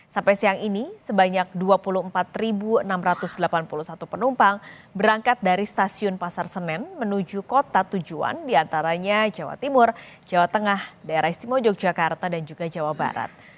sampai siang ini sebanyak dua puluh empat enam ratus delapan puluh satu penumpang berangkat dari stasiun pasar senen menuju kota tujuan diantaranya jawa timur jawa tengah daerah istimewa yogyakarta dan juga jawa barat